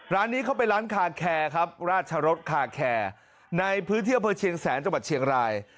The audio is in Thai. ร้านนี้เขาเป็นร้านคาแคร์ครับราชรสคาแคร์ในพื้นที่อำเภอเชียงแสนจังหวัดเชียงราย